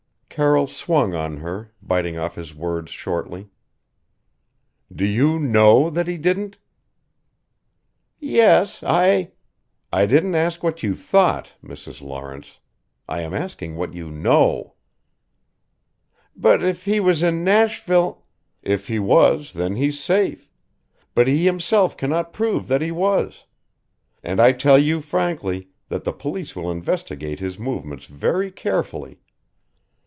Carroll swung on her, biting off his words shortly: "Do you know that he didn't?" "Yes I " "I didn't ask what you thought, Mrs. Lawrence. I am asking what you know!" "But if he was in Nashville " "If he was, then he's safe. But he himself cannot prove that he was. And I tell you frankly that the police will investigate his movements very carefully.